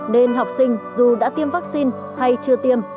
nên học sinh dù đã tiêm vắc xin hay chưa tiêm